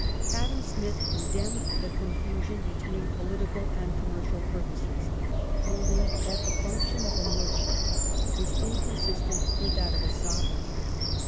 Adam Smith condemned the confusion between political and com mercial purposes, holding that the function of a merchant was in consistent with that of a Sovereign.